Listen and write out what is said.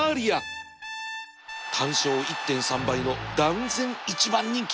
単勝 １．３ 倍の断然１番人気